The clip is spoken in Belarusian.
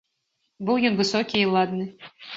Быў ён высокі і ладны.